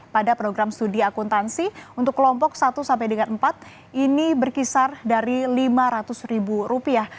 pada program studi akuntansi untuk kelompok satu sampai dengan empat ini berkisar dari lima ratus ribu rupiah